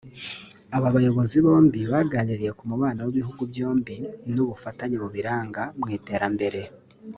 Aba bayobozi bombi baganiriye ku mubano w’ibihugu byombi n’ubufatanye bubiranga mu iterambere